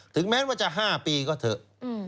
แม้ว่าจะ๕ปีก็เถอะ